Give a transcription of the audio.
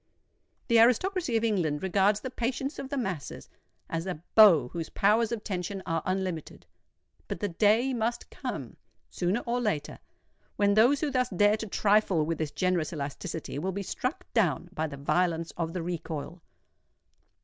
The aristocracy of England regards the patience of the masses as a bow whose powers of tension are unlimited: but the day must come, sooner or later, when those who thus dare to trifle with this generous elasticity will be struck down by the violence of the recoil.